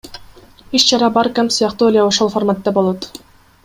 Иш чара Баркэмп сыяктуу эле ошол фарматта болот.